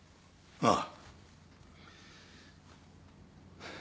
ああ。